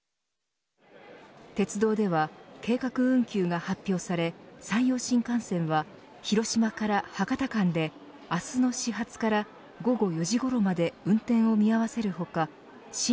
鉄道では、計画運休が発表され山陽新幹線は広島から博多間で明日の始発から午後４時ごろまで運転を見合わせる他新